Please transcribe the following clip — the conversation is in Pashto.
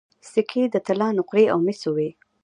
سکې د طلا نقرې او مسو وې